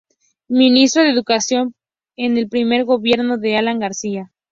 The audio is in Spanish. Ministro de Educación en el primer gobierno de Alan García.